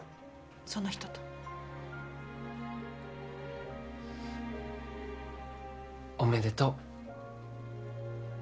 その人と。おめでとう。